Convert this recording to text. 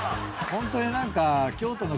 ホントに何か。